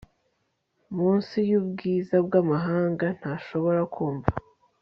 Munsi yubwiza bwamahanga ntashobora kumva